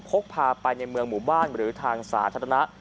พกพาไปในเมืองหมู่บ้านหรือทางสาธารณะ